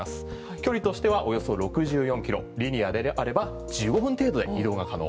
距離としてはおよそ６４キロリニアであれば１５分程度で移動が可能。